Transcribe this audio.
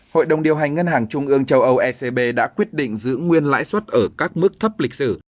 hội đồng điều hành ngân hàng trung ương châu âu ecb đã quyết định giữ nguyên lãi suất ở các mức thấp lịch sử